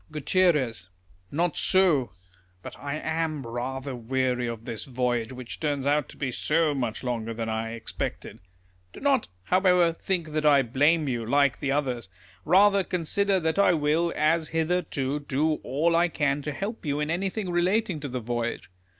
Gut. Not so. But I am rather weary of this voyage, wliich turns out to be so much longer than I expected. Do not, liowever, think that I blame you, like the others. Kather, consider that I will, as hitherto, do all I can to help you in anything relating to the voyage.